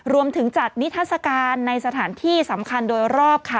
รวมถึงจัดนิทัศกาลในสถานที่สำคัญโดยรอบค่ะ